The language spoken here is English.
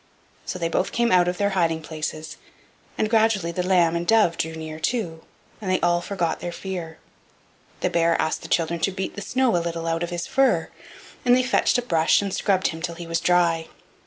So they both came out of their hiding places, and gradually the lamb and dove drew near too, and they all forgot their fear. The bear asked the children to beat the snow a little out of his fur, and they fetched a brush and scrubbed him till he was dry.